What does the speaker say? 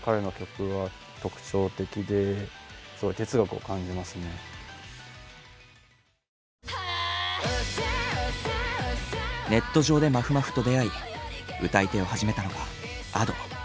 だからネット上でまふまふと出会い歌い手を始めたのがＡｄｏ。